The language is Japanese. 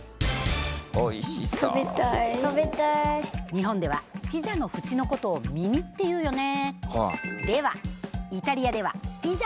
日本ではピザの縁のことを「耳」っていうよね。